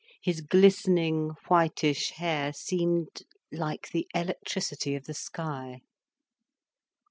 His glistening, whitish hair seemed like the electricity of the sky.